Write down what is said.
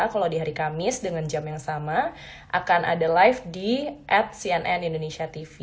kalau di hari kamis dengan jam yang sama akan ada live di at cnn indonesia tv